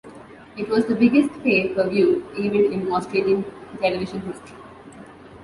It was the biggest Pay Per View event in Australian television history.